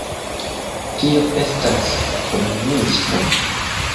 Tio estas komunismo